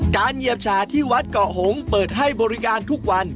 เหยียบชาที่วัดเกาะหงษ์เปิดให้บริการทุกวัน